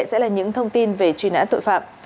sẽ là những thông tin về truy nã tội phạm